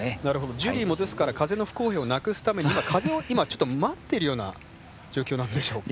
ジュリーも、ですから風の不公平をなくすために今、風をちょっと待っているような状況なんでしょうか。